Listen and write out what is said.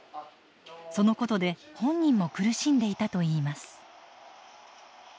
そのことで本人も苦しんでいたといいます。